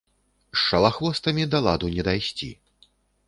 З шалахвостамі да ладу не дайсці.